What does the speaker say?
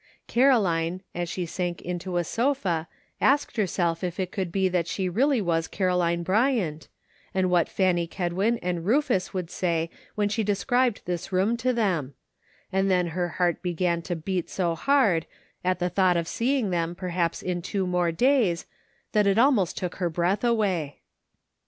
Caroline, as she sank into a sofa asked herself if it could be that she really was Caroline Bry ant, and what Fanny Kedwin and Rufus would say when she described this room to them; and 172 "50 YOU WANT TO GO HOMEf* then her heart began to beat so hard at the thought of seeing them perhaps in two more days that it almost took her breath away.